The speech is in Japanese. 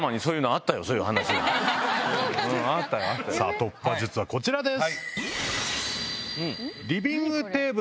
突破術はこちらです。